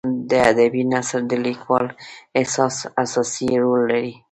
د ادبي نثر د لیکوال احساس اساسي رول لري.